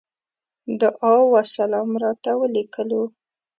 دعا وسلام راته وليکلو.